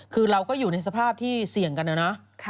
คือเราก็อยู่ในสภาพที่เสี่ยงกันนะนะ